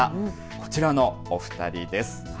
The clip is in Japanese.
こちらのお二人です。